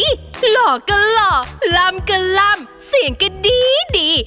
หล่อก็หล่อล่ำก็ล่ำเสียงก็ดีดี